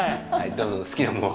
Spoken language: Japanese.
どうぞ好きなものを。